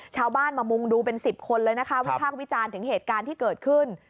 ชาวบ้านมามุงดูเป็น๑๐คนเลยนะคะวิพากษ์วิจารณ์ถึงเหตุการณ์ที่เกิดขึ้น